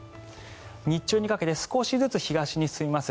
日中にかけて少しずつ東に進みます。